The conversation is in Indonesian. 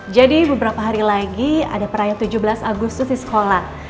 jadi beberapa hari lagi ada perayaan tujuh belas agustus di sekolah